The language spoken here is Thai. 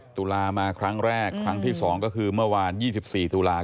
ตุลามาครั้งแรกครั้งที่๒ก็คือเมื่อวาน๒๔ตุลาค